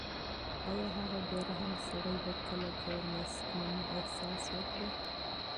ایا هغه بې رحمه سړی به کله د غریبۍ احساس وکړي؟